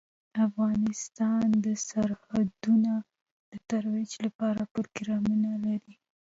افغانستان د سرحدونه د ترویج لپاره پروګرامونه لري.